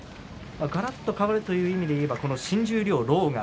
がらっと変わるという意味では新十両の狼雅